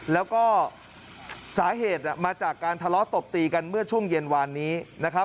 แล้วก็สาเหตุมาจากการทะเลาะตบตีกันเมื่อช่วงเย็นวานนี้นะครับ